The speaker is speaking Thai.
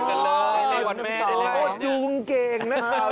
จูงเก่งนะครับจูงเก่ง